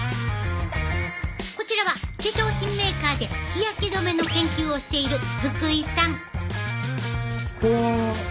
こちらは化粧品メーカーで日焼け止めの研究をしている福井さん。